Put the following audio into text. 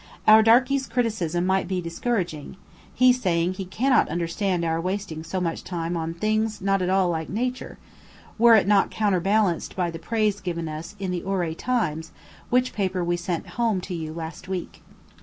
Our darkie's criticism might be discouraging, he saying he cannot understand our wasting so much time on "things not at all like nature," were it not counterbalanced by the praise given us in the "Ouray Times" which paper we sent home to you last week.